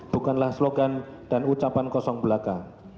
bukanlah slogan dan ucapan kosong belaka